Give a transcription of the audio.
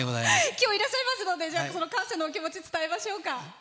今日いらっしゃいますので感謝の気持ちを伝えましょうか。